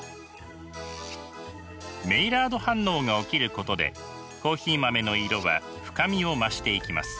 メイラード反応が起きることでコーヒー豆の色は深みを増していきます。